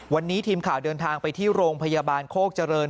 วันนี้ทีมข่าวเดินทางไปที่โรงพยาบาลโคกเจริญ